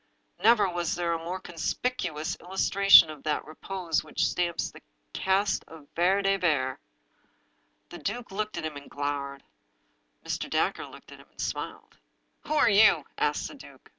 Never was there a more conspicuous illus tration of that repose which stamps the caste of Vere de Vere. The duke looked at him and glowered. Mr. Dacre looked at him and smiled. " Who are you ?" asked the duke.